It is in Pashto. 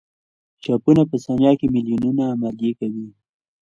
چپونه په ثانیه کې میلیونونه عملیې کوي.